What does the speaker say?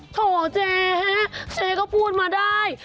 โถเจ๊เจ๊ก็พูดมาได้